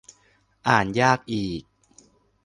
อ่านยากอีก